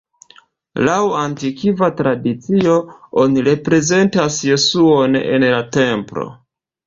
Laŭ antikva tradicio, oni reprezentas Jesuon en la Templo.